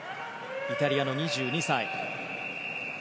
イタリアの２２歳。